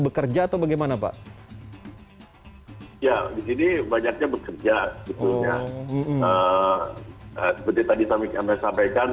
bekerja atau bagaimana pak ya di sini banyaknya bekerja sebetulnya seperti tadi sampai sampaikan